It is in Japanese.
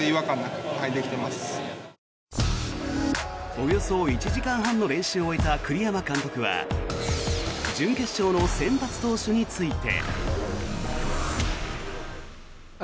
およそ１時間半の練習を終えた栗山監督は準決勝の先発投手について。